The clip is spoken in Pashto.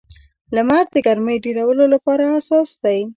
لمر د ګرمۍ ډېرولو لپاره اساس دی.